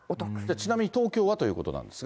ちなみに東京はということなんですが。